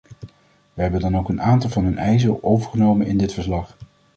Wij hebben dan ook een aantal van hun eisen overgenomen in dit verslag.